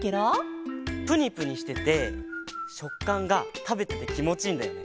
ぷにぷにしててしょっかんがたべててきもちいいんだよね。